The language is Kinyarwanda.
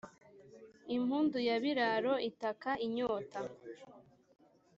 impundu ya biraro itaka inyota.